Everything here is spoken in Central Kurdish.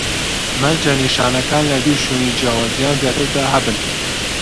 مەرجە نیشانەکان لە دوو شوێنی جیاواز یان زیاتر دا هەبن